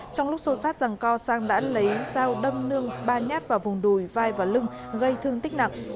trong lúc xô sát rằng co sang đã lấy dao đâm nương ba nhát vào vùng đùi vai và lưng gây thương tích nặng